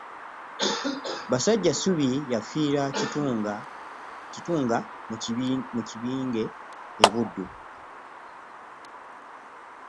Basajjassubi yafiira Kitunga mu Kibinge e Buddu.